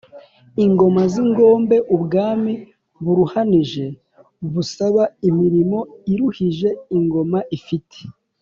ingoma z’ingombe: ubwami buruhanije busaba imirimo iruhije, ingoma ifite